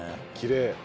きれい。